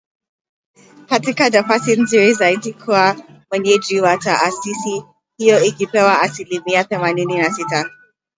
katika nafasi nzuri zaidi kuwa mwenyeji wa taasisi hiyo ikipewa asilimia themanini na sita